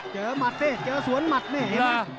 เจอสวนหมัดเนี่ย